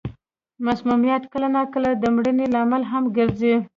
مسمومیت کله نا کله د مړینې لامل هم ګرځي.